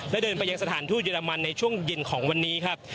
และเดินไปยังสถานทูตเยอรมันในช่วงเย็นของวันนี้ครับ